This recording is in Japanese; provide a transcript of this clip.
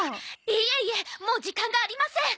いえいえもう時間がありません。